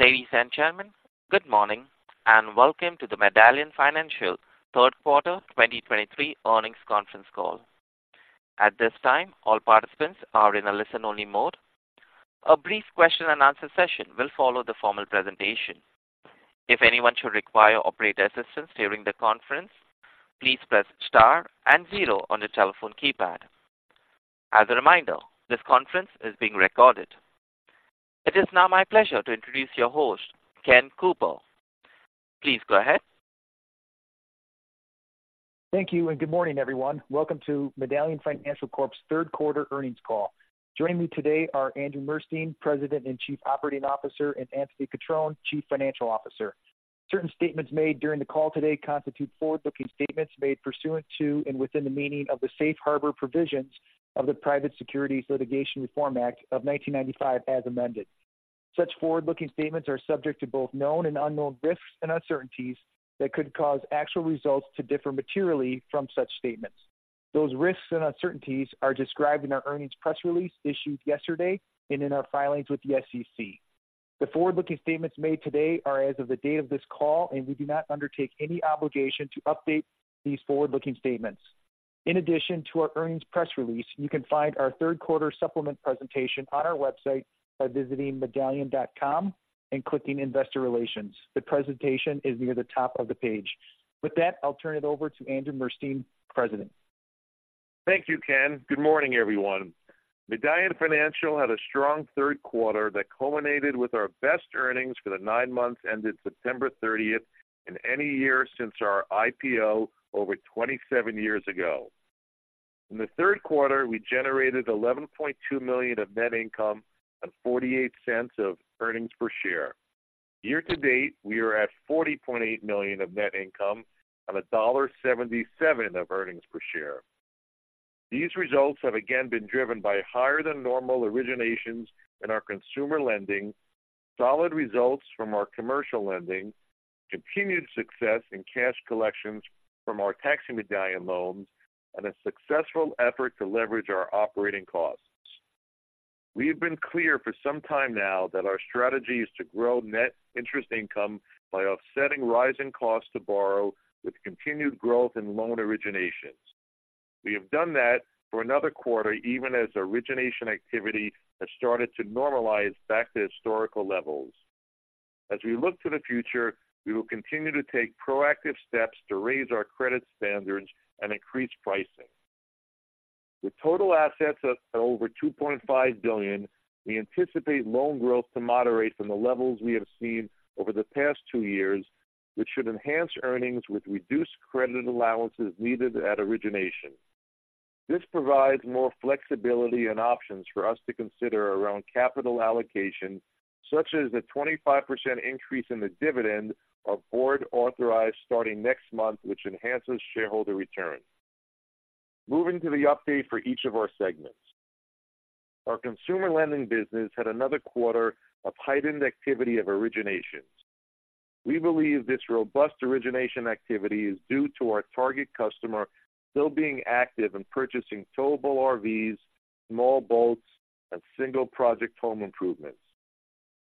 Ladies and gentlemen, good morning, and welcome to the Medallion Financial third quarter 2023 earnings conference call. At this time, all participants are in a listen-only mode. A brief question-and-answer session will follow the formal presentation. If anyone should require operator assistance during the conference, please press star and zero on your telephone keypad. As a reminder, this conference is being recorded. It is now my pleasure to introduce your host, Ken Cooper. Please go ahead. Thank you, and good morning, everyone. Welcome to Medallion Financial Corp's third quarter earnings call. Joining me today are Andrew Murstein, President and Chief Operating Officer, and Anthony Cutrone, Chief Financial Officer. Certain statements made during the call today constitute forward-looking statements made pursuant to and within the meaning of the Safe Harbor Provisions of the Private Securities Litigation Reform Act of 1995, as amended. Such forward-looking statements are subject to both known and unknown risks and uncertainties that could cause actual results to differ materially from such statements. Those risks and uncertainties are described in our earnings press release issued yesterday and in our filings with the SEC. The forward-looking statements made today are as of the date of this call, and we do not undertake any obligation to update these forward-looking statements. In addition to our earnings press release, you can find our third quarter supplement presentation on our website by visiting medallion.com and clicking Investor Relations. The presentation is near the top of the page. With that, I'll turn it over to Andrew Murstein, President. Thank you, Ken. Good morning, everyone. Medallion Financial had a strong third quarter that culminated with our best earnings for the 9 months ended September thirtieth in any year since our IPO over 27 years ago. In the third quarter, we generated $11.2 million of net income and $0.48 of earnings per share. Year to date, we are at $40.8 million of net income and $1.77 of earnings per share. These results have again been driven by higher than normal originations in our consumer lending, solid results from our commercial lending, continued success in cash collections from our taxi medallion loans, and a successful effort to leverage our operating costs. We have been clear for some time now that our strategy is to grow net interest income by offsetting rising costs to borrow with continued growth in loan originations. We have done that for another quarter, even as origination activity has started to normalize back to historical levels. As we look to the future, we will continue to take proactive steps to raise our credit standards and increase pricing. With total assets at over $2.5 billion, we anticipate loan growth to moderate from the levels we have seen over the past two years, which should enhance earnings with reduced credit allowances needed at origination. This provides more flexibility and options for us to consider around capital allocation, such as a 25% increase in the dividend our board authorized starting next month, which enhances shareholder returns. Moving to the update for each of our segments. Our consumer lending business had another quarter of heightened activity of originations. We believe this robust origination activity is due to our target customer still being active in purchasing towable RVs, small boats, and single-project home improvements.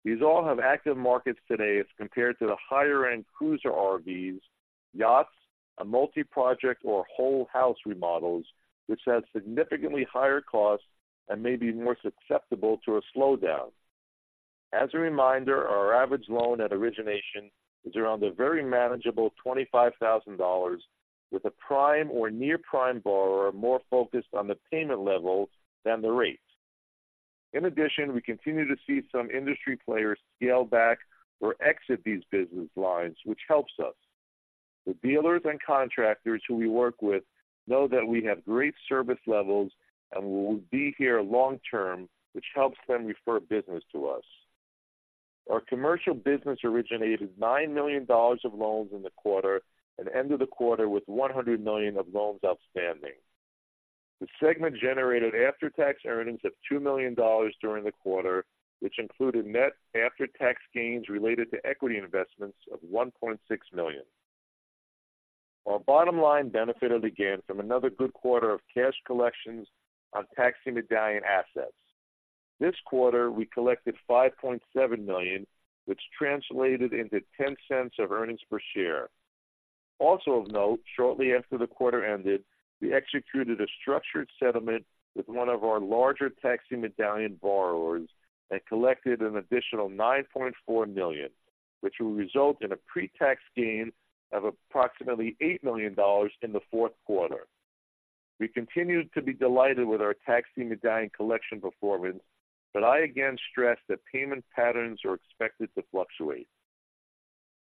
These all have active markets today as compared to the higher-end cruiser RVs, yachts, and multi-project or whole house remodels, which have significantly higher costs and may be more susceptible to a slowdown. As a reminder, our average loan at origination is around a very manageable $25,000, with a prime or near-prime borrower more focused on the payment level than the rates. In addition, we continue to see some industry players scale back or exit these business lines, which helps us. The dealers and contractors who we work with know that we have great service levels and will be here long term, which helps them refer business to us. Our commercial business originated $9 million of loans in the quarter and ended the quarter with $100 million of loans outstanding. The segment generated after-tax earnings of $2 million during the quarter, which included net after-tax gains related to equity investments of $1.6 million. Our bottom line benefited again from another good quarter of cash collections on taxi medallion assets. This quarter, we collected $5.7 million which translated into $0.10 of earnings per share. Also of note, shortly after the quarter ended, we executed a structured settlement with one of our larger taxi medallion borrowers and collected an additional $9.4 million, which will result in a pre-tax gain of approximately $8 million in the fourth quarter. We continue to be delighted with our taxi medallion collection performance, but I again stress that payment patterns are expected to fluctuate.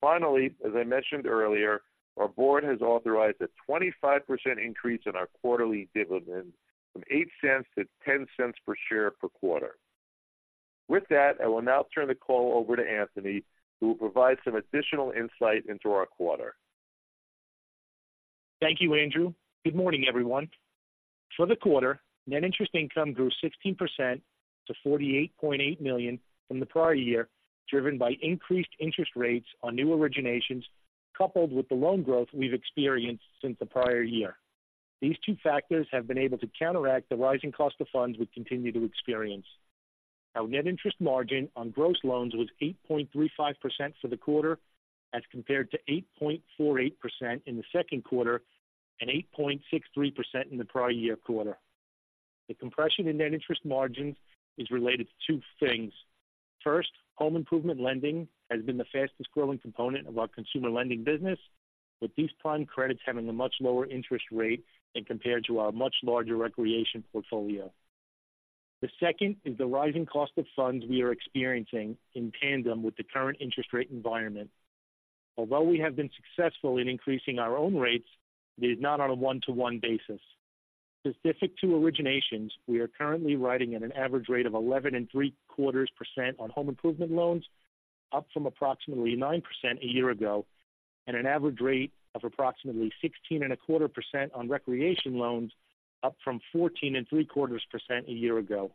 Finally, as I mentioned earlier, our board has authorized a 25% increase in our quarterly dividend from $0.08 to $0.10 per share per quarter. With that, I will now turn the call over to Anthony, who will provide some additional insight into our quarter. Thank you, Andrew. Good morning, everyone. For the quarter, net interest income grew 16% to $48.8 million from the prior year, driven by increased interest rates on new originations, coupled with the loan growth we've experienced since the prior year.... These two factors have been able to counteract the rising cost of funds we continue to experience. Our net interest margin on gross loans was 8.35% for the quarter, as compared to 8.48% in the second quarter and 8.63% in the prior year quarter. The compression in net interest margins is related to two things. First, home improvement lending has been the fastest growing component of our consumer lending business, with these prime credits having a much lower interest rate and compared to our much larger recreation portfolio. The second is the rising cost of funds we are experiencing in tandem with the current interest rate environment. Although we have been successful in increasing our own rates, it is not on a one-to-one basis. Specific to originations, we are currently writing at an average rate of 11.75% on home improvement loans, up from approximately 9% a year ago, and an average rate of approximately 16.25% on recreation loans, up from 14.75% a year ago.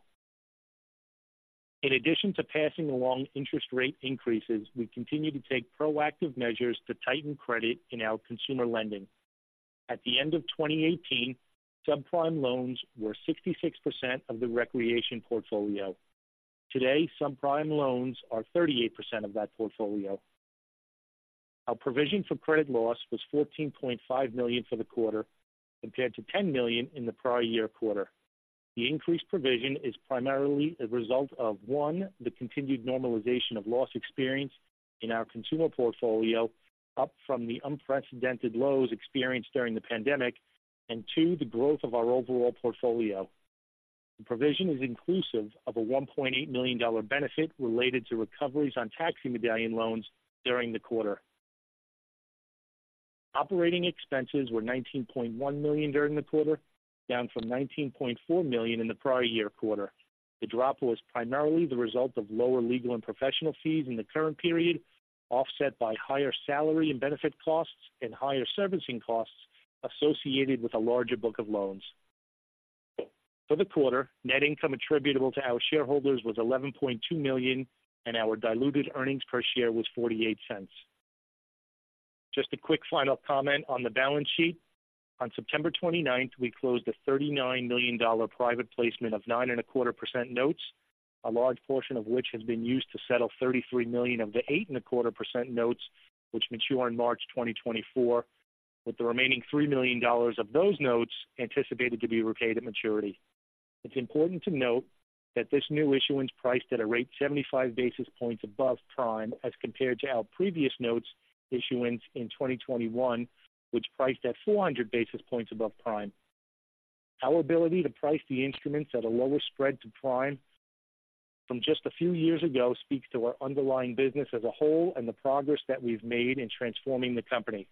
In addition to passing along interest rate increases, we continue to take proactive measures to tighten credit in our consumer lending. At the end of 2018, subprime loans were 66% of the recreation portfolio. Today, subprime loans are 38% of that portfolio. Our provision for credit loss was $14.5 million for the quarter, compared to $10 million in the prior year quarter. The increased provision is primarily a result of, one, the continued normalization of loss experience in our consumer portfolio, up from the unprecedented lows experienced during the pandemic, and two, the growth of our overall portfolio. The provision is inclusive of a $1.8 million benefit related to recoveries on taxi medallion loans during the quarter. Operating expenses were $19.1 million during the quarter, down from $19.4 million in the prior year quarter. The drop was primarily the result of lower legal and professional fees in the current period, offset by higher salary and benefit costs and higher servicing costs associated with a larger book of loans. For the quarter, net income attributable to our shareholders was $11.2 million, and our diluted earnings per share was $0.48. Just a quick final comment on the balance sheet. On September 29th, we closed a $39 million private placement of 9.25% notes, a large portion of which has been used to settle $33 million of the 8.25% notes, which mature in March 2024, with the remaining $3 million of those notes anticipated to be repaid at maturity. It's important to note that this new issuance priced at a rate 75 basis points above prime as compared to our previous notes issuance in 2021, which priced at 400 basis points above prime. Our ability to price the instruments at a lower spread to prime from just a few years ago speaks to our underlying business as a whole and the progress that we've made in transforming the company.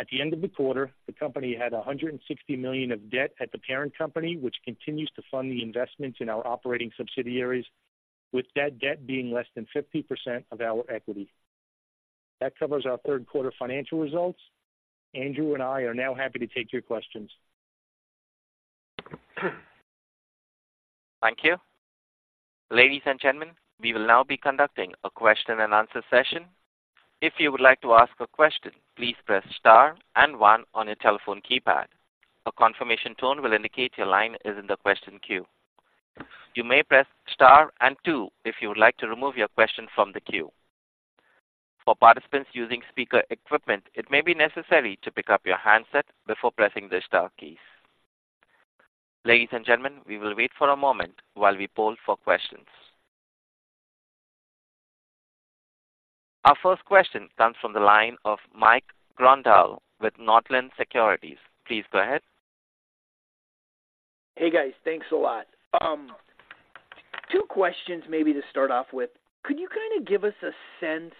At the end of the quarter, the company had $160 million of debt at the parent company, which continues to fund the investments in our operating subsidiaries, with that debt being less than 50% of our equity. That covers our third quarter financial results. Andrew and I are now happy to take your questions. Thank you. Ladies and gentlemen, we will now be conducting a question and answer session. If you would like to ask a question, please press Star and One on your telephone keypad. A confirmation tone will indicate your line is in the question queue. You may press Star and Two if you would like to remove your question from the queue. For participants using speaker equipment, it may be necessary to pick up your handset before pressing the star keys. Ladies and gentlemen, we will wait for a moment while we poll for questions. Our first question comes from the line of Mike Grondahl with Northland Securities. Please go ahead. Hey, guys, thanks a lot. Two questions maybe to start off with: Could you kind of give us a sense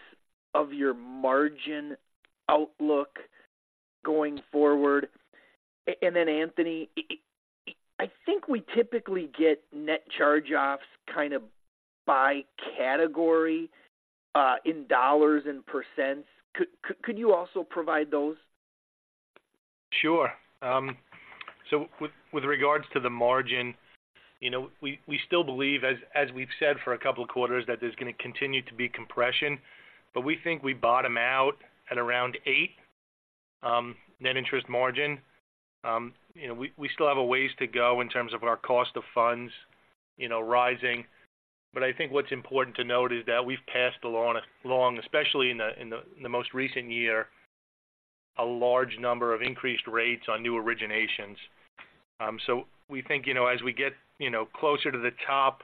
of your margin outlook going forward? And then, Anthony, I think we typically get net charge-offs kind of by category, in dollars and percents. Could you also provide those? Sure. So with regards to the margin, you know, we still believe, as we've said for a couple of quarters, that there's going to continue to be compression, but we think we bottom out at around 8 net interest margin. You know, we still have a ways to go in terms of our cost of funds, you know, rising. But I think what's important to note is that we've passed along, especially in the most recent year, a large number of increased rates on new originations. So we think, you know, as we get, you know, closer to the top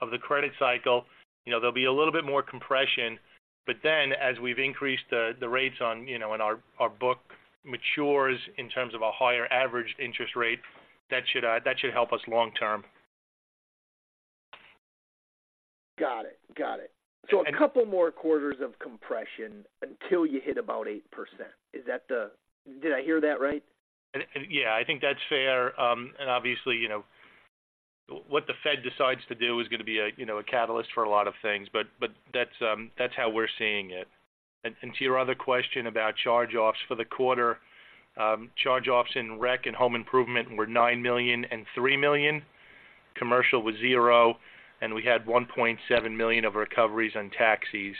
of the credit cycle, you know, there'll be a little bit more compression. But then as we've increased the rates on, you know, and our book matures in terms of a higher average interest rate, that should help us long term. Got it. Got it. So a couple more quarters of compression until you hit about 8%. Is that the...? Did I hear that right? Yeah, I think that's fair. And obviously, you know, what the Fed decides to do is going to be a, you know, a catalyst for a lot of things, but, but that's, that's how we're seeing it. And to your other question about charge-offs for the quarter, charge-offs in rec and home improvement were $9 million and $3 million. Commercial was zero, and we had $1.7 million of recoveries on taxis....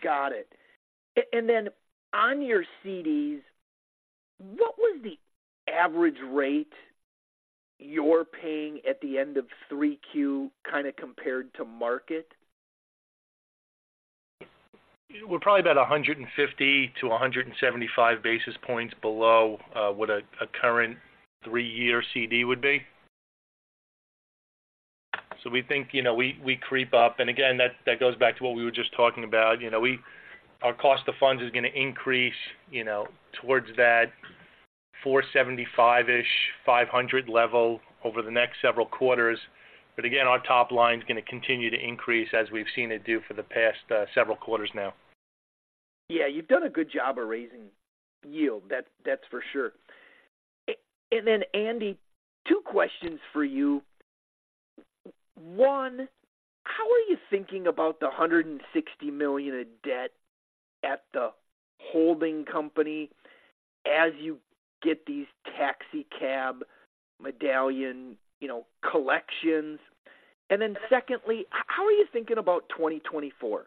Got it. And then on your CDs, what was the average rate you're paying at the end of 3Q, kind of compared to market? We're probably about 150-175 basis points below what a current three-year CD would be. So we think, you know, we creep up, and again, that goes back to what we were just talking about. You know, our cost of funds is going to increase, you know, towards that 475- 500 level over the next several quarters. But again, our top line is going to continue to increase, as we've seen it do for the past several quarters now. Yeah, you've done a good job of raising yield. That's, that's for sure. And then, Andy, two questions for you. One, how are you thinking about the $160 million of debt at the holding company as you get these taxi medallion, you know, collections? And then secondly, how are you thinking about 2024?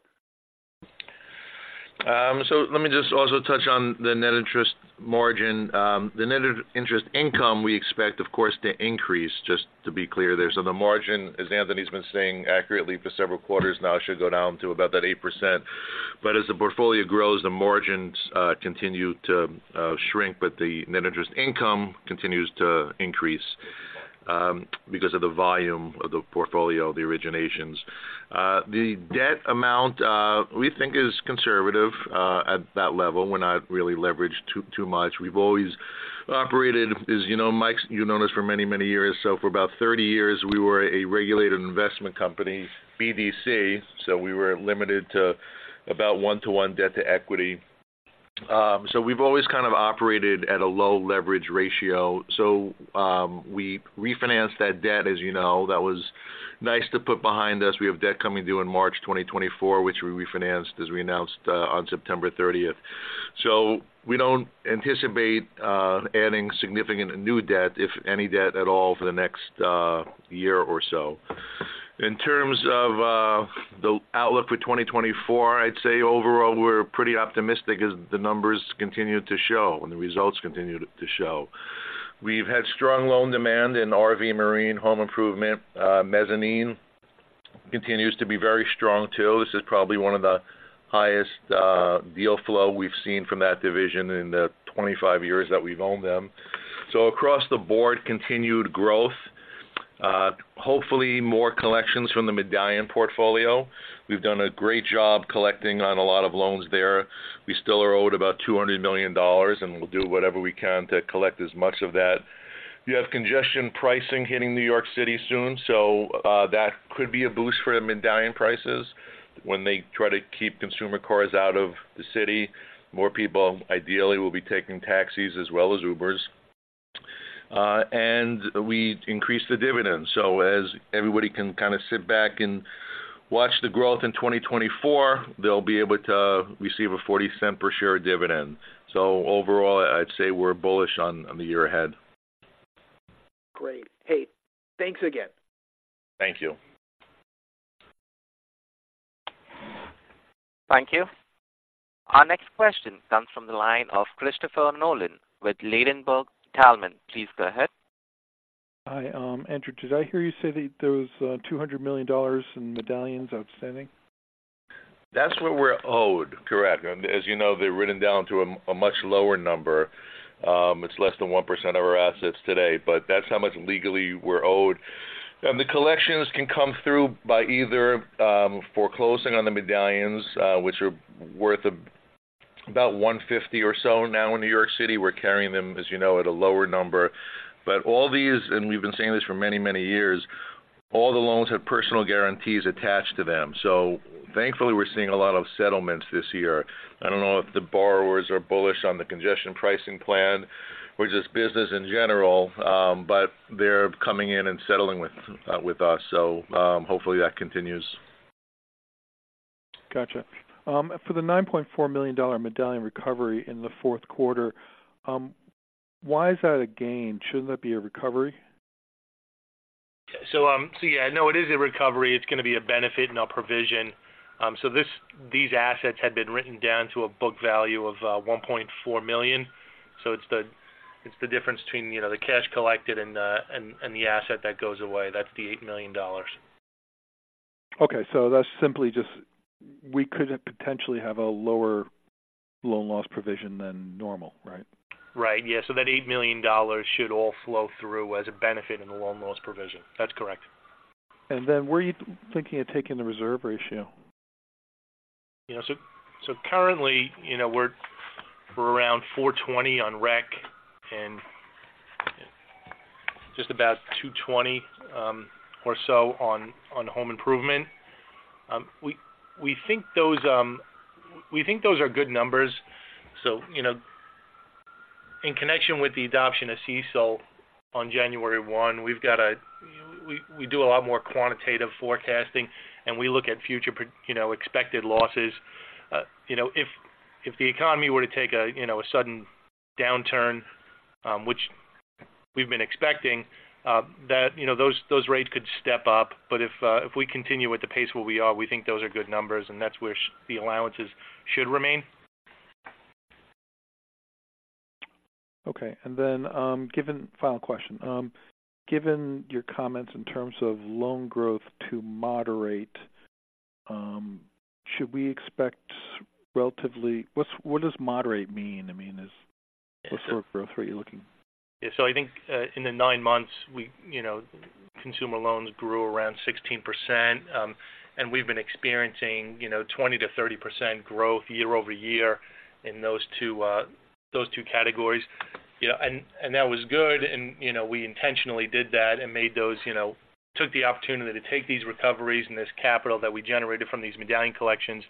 So let me just also touch on the net interest margin. The net interest income, we expect, of course, to increase, just to be clear there. So the margin, as Anthony's been saying accurately for several quarters now, should go down to about that 8%. But as the portfolio grows, the margins continue to shrink, but the net interest income continues to increase because of the volume of the portfolio, the originations. The debt amount, we think is conservative at that level. We're not really leveraged too, too much. We've always operated, as you know, Mike, you've known us for many, many years. So for about 30 years, we were a regulated investment company, BDC, so we were limited to about 1-to-1 debt to equity. So we've always kind of operated at a low leverage ratio. So, we refinanced that debt, as you know, that was nice to put behind us. We have debt coming due in March 2024, which we refinanced, as we announced, on September 30th. So we don't anticipate adding significant new debt, if any debt at all, for the next year or so. In terms of the outlook for 2024, I'd say overall, we're pretty optimistic as the numbers continue to show and the results continue to show. We've had strong loan demand in RV, marine, home improvement. Mezzanine continues to be very strong, too. This is probably one of the highest deal flow we've seen from that division in the 25 years that we've owned them. So across the board, continued growth, hopefully more collections from the medallion portfolio. We've done a great job collecting on a lot of loans there. We still are owed about $200 million, and we'll do whatever we can to collect as much of that. You have congestion pricing hitting New York City soon, so that could be a boost for the medallion prices. When they try to keep consumer cars out of the city, more people, ideally, will be taking taxis as well as Ubers. And we increased the dividend, so as everybody can kind of sit back and watch the growth in 2024, they'll be able to receive a $0.40 per share dividend. So overall, I'd say we're bullish on the year ahead. Great. Hey, thanks again. Thank you. Thank you. Our next question comes from the line of Christopher Nolan with Ladenburg Thalmann. Please go ahead. Hi, Andrew, did I hear you say that there was $200 million in medallions outstanding? That's what we're owed, correct. And as you know, they're written down to a much lower number. It's less than 0.1% of our assets today, but that's how much legally we're owed. And the collections can come through by either foreclosing on the medallions, which are worth about $150 or so now in New York City. We're carrying them, as you know, at a lower number. But all these, and we've been saying this for many, many years, all the loans have personal guarantees attached to them. So thankfully, we're seeing a lot of settlements this year. I don't know if the borrowers are bullish on the congestion pricing plan, or just business in general, but they're coming in and settling with, with us. So, hopefully, that continues. Gotcha. For the $9.4 million medallion recovery in the fourth quarter, why is that a gain? Shouldn't that be a recovery? So yeah, no, it is a recovery. It's going to be a benefit and a provision. These assets had been written down to a book value of $1.4 million. It's the difference between, you know, the cash collected and the asset that goes away. That's the $8 million. Okay, so that's simply just... We couldn't potentially have a lower loan loss provision than normal, right? Right. Yeah. So that $8 million should all flow through as a benefit in the loan loss provision. That's correct. Where are you thinking of taking the reserve ratio? You know, so currently, you know, we're around 4.20% on rec and just about 2.20% or so on home improvement. We think those are good numbers. So, you know, in connection with the adoption of CECL on January 1, we've got a, we do a lot more quantitative forecasting, and we look at future, you know, expected losses. You know, if the economy were to take a sudden downturn, which we've been expecting, that those rates could step up. But if we continue with the pace where we are, we think those are good numbers, and that's where the allowances should remain. Okay. And then, final question. Given your comments in terms of loan growth to moderate, should we expect relatively, what's, what does moderate mean? I mean, is, what sort of growth are you looking? Yeah, so I think, in the 9 months, we, you know, consumer loans grew around 16%. And we've been experiencing, you know, 20%-30% growth year-over-year in those two, those two categories. You know, and, and that was good, and, you know, we intentionally did that and made those, you know, took the opportunity to take these recoveries and this capital that we generated from these medallion collections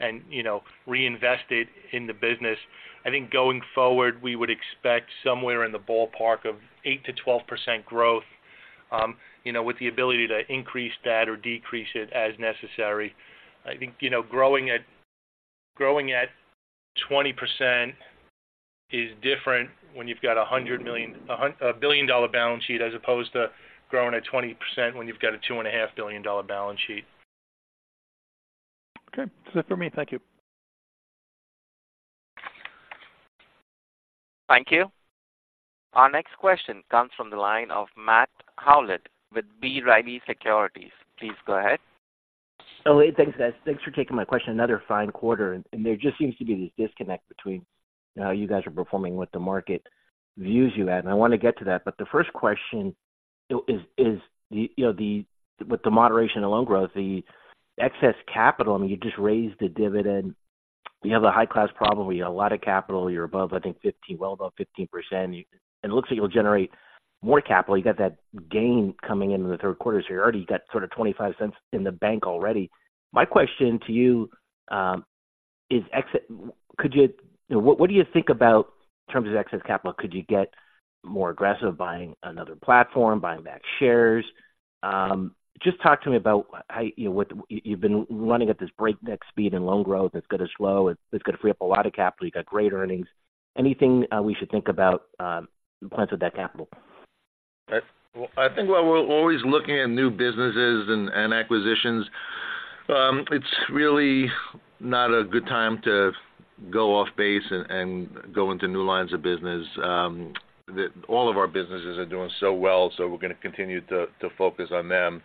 and, you know, reinvest it in the business. I think going forward, we would expect somewhere in the ballpark of 8%-12% growth, you know, with the ability to increase that or decrease it as necessary. I think, you know, growing at 20% is different when you've got a $1 billion balance sheet, as opposed to growing at 20% when you've got a $2.5 billion balance sheet. Okay. That's it for me. Thank you. Thank you. Our next question comes from the line of Matt Howlett with B. Riley Securities. Please go ahead. Oh, hey, thanks, guys. Thanks for taking my question. Another fine quarter, and there just seems to be this disconnect between how you guys are performing, what the market views you at, and I want to get to that. But the first question is, you know, the with the moderation of loan growth, the excess capital, I mean, you just raised the dividend. You have a high-class problem where you have a lot of capital. You're above, I think, 15%, well above 15%, and it looks like you'll generate more capital. You got that gain coming in in the third quarter, so you already got sort of $0.25 in the bank already. My question to you is, could you. What do you think about in terms of excess capital? Could you get more aggressive buying another platform, buying back shares? Just talk to me about how, you know, what, you've been running at this breakneck speed and loan growth, that's going to slow. It's going to free up a lot of capital. You've got great earnings. Anything, we should think about, in terms of that capital? I think we're always looking at new businesses and acquisitions. It's really not a good time to go off base and go into new lines of business. All of our businesses are doing so well, so we're going to continue to focus on them.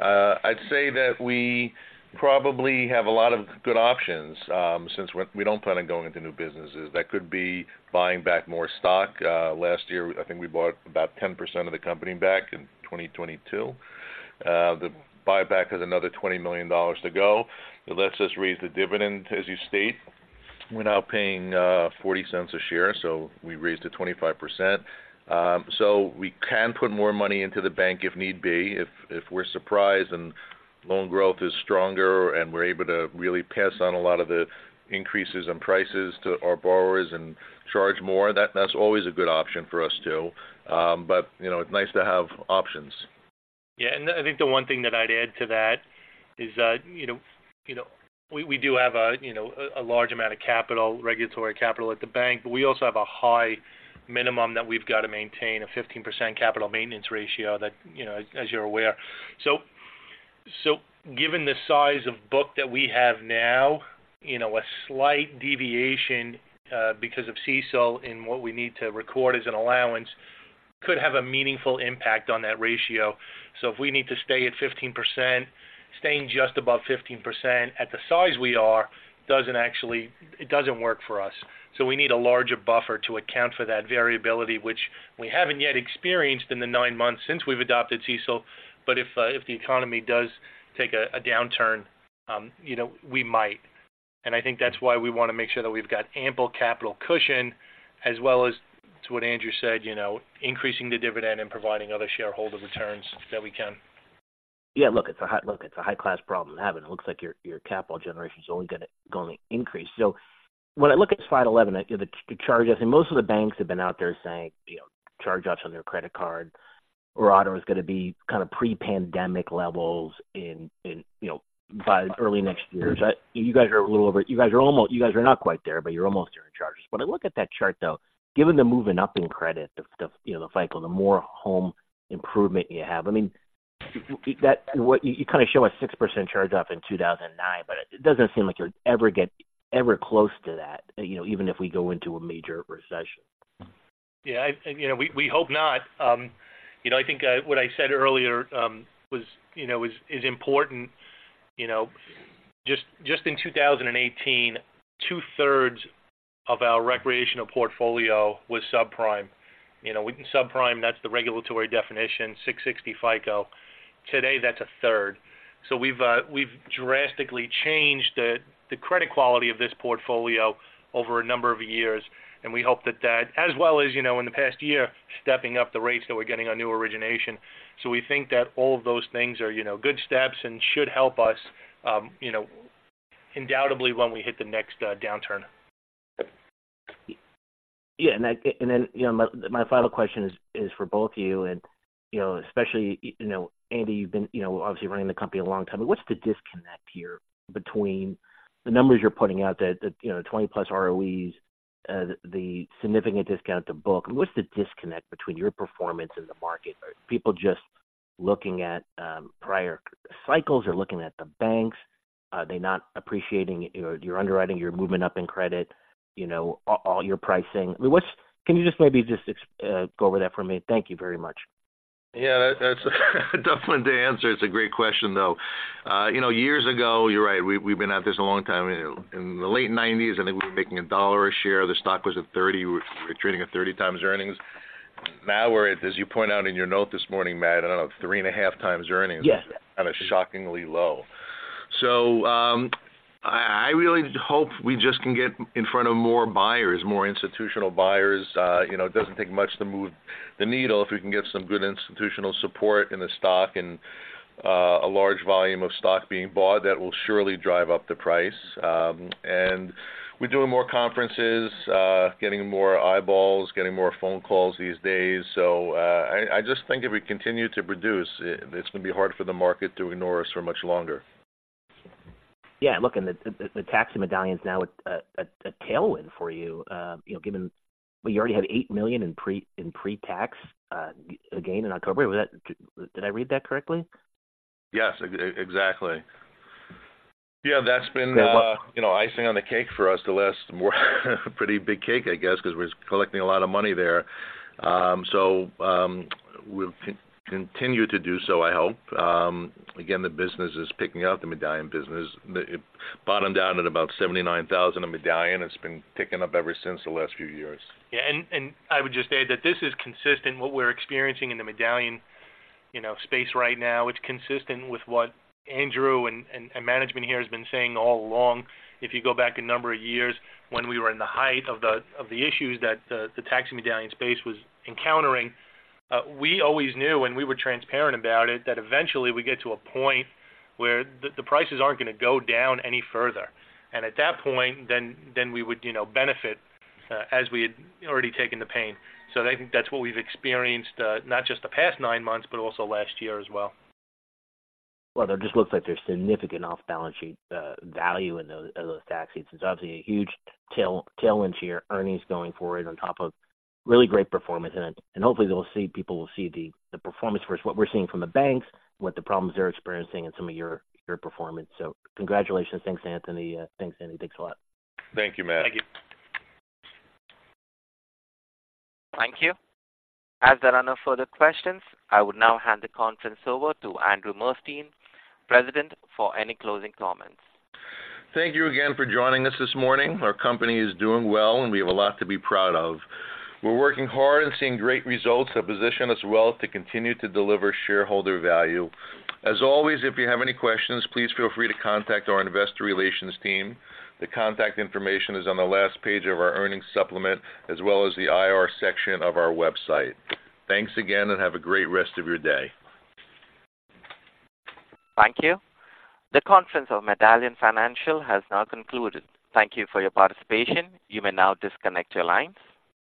I'd say that we probably have a lot of good options, since we don't plan on going into new businesses. That could be buying back more stock. Last year, I think we bought about 10% of the company back in 2022. The buyback has another $20 million to go. It lets us raise the dividend, as you state. We're now paying $0.40 a share, so we raised it 25%. So we can put more money into the bank if need be, if we're surprised and loan growth is stronger, and we're able to really pass on a lot of the increases in prices to our borrowers and charge more, that's always a good option for us, too. But you know, it's nice to have options. Yeah, and I think the one thing that I'd add to that is that, you know, you know, we do have a, you know, a large amount of capital, regulatory capital at the bank, but we also have a high minimum that we've got to maintain, a 15% capital maintenance ratio that, you know, as you're aware. So given the size of book that we have now, you know, a slight deviation because of CECL and what we need to record as an allowance could have a meaningful impact on that ratio. So if we need to stay at 15%, staying just above 15% at the size we are, doesn't actually, it doesn't work for us. So we need a larger buffer to account for that variability, which we haven't yet experienced in the nine months since we've adopted CECL. But if the economy does take a downturn, you know, we might. And I think that's why we want to make sure that we've got ample capital cushion as well as to what Andrew said, you know, increasing the dividend and providing other shareholder returns that we can. Yeah, look, it's a high-class problem to have, and it looks like your capital generation is only gonna increase. So when I look at Slide 11, the charge-offs, and most of the banks have been out there saying, you know, charge-offs on their credit card or auto is going to be kind of pre-pandemic levels in, you know, by early next year. You guys are a little over. You guys are almost. You guys are not quite there, but you're almost there in charges. When I look at that chart, though, given the moving up in credit, you know, the FICO, the more home improvement you have, I mean, that you kind of show a 6% charge-off in 2009, but it doesn't seem like you'll ever get close to that, you know, even if we go into a major recession. Yeah, you know, we hope not. You know, I think what I said earlier was, you know, is important. You know, just in 2018, 2/3 of our recreational portfolio was subprime. You know, with subprime, that's the regulatory definition, 660 FICO. Today, that's 1/3. So we've drastically changed the credit quality of this portfolio over a number of years, and we hope that that... As well as, you know, in the past year, stepping up the rates that we're getting on new origination. So we think that all of those things are, you know, good steps and should help us, you know, undoubtedly when we hit the next downturn. Yeah, and then, you know, my final question is for both of you. You know, especially, you know, Andy, you've been, you know, obviously running the company a long time. But what's the disconnect here between the numbers you're putting out that you know, 20 plus ROEs, the significant discount to book? What's the disconnect between your performance and the market? Are people just looking at prior cycles? They're looking at the banks, are they not appreciating your, your underwriting, your movement up in credit, you know, all, all your pricing? I mean, what's— Can you just maybe go over that for me? Thank you very much. Yeah, that, that's a tough one to answer. It's a great question, though. You know, years ago, you're right, we've, we've been at this a long time. In the late 1990s, I think we were making $1 a share. The stock was at 30. We were trading at 30 times earnings. Now we're at, as you point out in your note this morning, Matt, I don't know, 3.5 times earnings- Yes. -kind of shockingly low. So, I really hope we just can get in front of more buyers, more institutional buyers. You know, it doesn't take much to move the needle. If we can get some good institutional support in the stock and, a large volume of stock being bought, that will surely drive up the price. And we're doing more conferences, getting more eyeballs, getting more phone calls these days. So, I just think if we continue to produce, it, it's going to be hard for the market to ignore us for much longer. Yeah, look, and the taxi medallion is now a tailwind for you. You know, given... Well, you already have $8 million in pre-tax gain in October. Was that? Did I read that correctly? Yes, exactly. Yeah, that's been, you know, icing on the cake for us the last pretty big cake, I guess, 'cause we're collecting a lot of money there. So, we'll continue to do so, I hope. Again, the business is picking up, the medallion business. It bottomed out at about $79,000 a medallion. It's been picking up ever since the last few years. Yeah, and I would just add that this is consistent, what we're experiencing in the medallion, you know, space right now. It's consistent with what Andrew and management here has been saying all along. If you go back a number of years when we were in the height of the issues that the taxi medallion space was encountering, we always knew, and we were transparent about it, that eventually we'd get to a point where the prices aren't going to go down any further. And at that point, then we would, you know, benefit, as we had already taken the pain. So I think that's what we've experienced, not just the past nine months, but also last year as well. Well, there just looks like there's significant off-balance sheet value in those tax shields. It's obviously a huge tailwind to your earnings going forward on top of really great performance. And hopefully, we'll see, people will see the performance versus what we're seeing from the banks, what the problems they're experiencing and some of your performance. So congratulations. Thanks, Anthony. Thanks, Andy. Thanks a lot. Thank you, Matt. Thank you. Thank you. As there are no further questions, I would now hand the conference over to Andrew Murstein, President, for any closing comments. Thank you again for joining us this morning. Our company is doing well, and we have a lot to be proud of. We're working hard and seeing great results that position us well to continue to deliver shareholder value. As always, if you have any questions, please feel free to contact our investor relations team. The contact information is on the last page of our earnings supplement, as well as the IR section of our website. Thanks again, and have a great rest of your day. Thank you. The conference of Medallion Financial has now concluded. Thank you for your participation. You may now disconnect your lines.